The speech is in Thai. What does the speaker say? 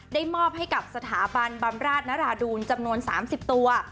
ได้มอบให้กับสถาบันบำราชนราดูลจำนวน๓๐ตัว